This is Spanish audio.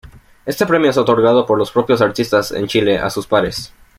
Este premio es otorgado por los propios artistas en Chile a sus pares.